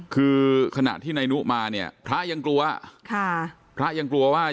คือขณะที่นายนุมาเนี่ยพระยังกลัวค่ะพระยังกลัวว่า